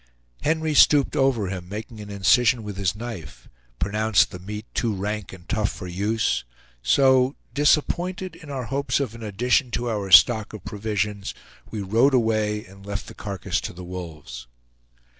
Henry stooped over him, and making an incision with his knife, pronounced the meat too rank and tough for use; so, disappointed in our hopes of an addition to our stock of provisions, we rode away and left the carcass to the wolves.